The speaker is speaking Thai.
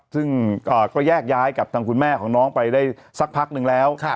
ซึ่งก็แยกย้ายกับทางคุณแม่ของน้องไปได้สักพักนึงแล้ว